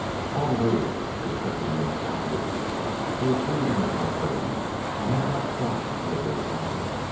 All the ladies, except a young copyist who was leaving in a hurry and had not stopped to put hers on.